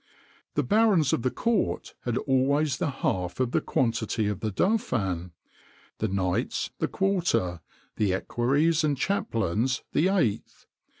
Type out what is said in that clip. The barons of the court had always the half of the quantity of the Dauphin; the knights, the quarter; the equerries and chaplains, the eighth.